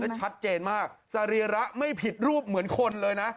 และชัดเจนมากสรีระไม่ผิดรูปเหมือนคนเลยนะ